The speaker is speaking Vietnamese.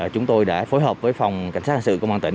chúng tôi đã phối hợp với phòng cảnh sát hành sự công an tỉnh